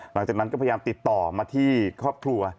หลังจากนั้นก็พยายามติดต่อมาที่ครอบครัว